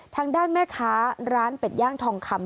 ทางด้านแม่ค้าร้านเป็ดย่างทองคำ